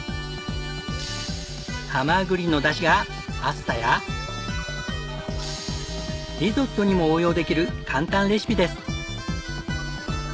ハマグリのだしがパスタやリゾットにも応用できる簡単レシピです！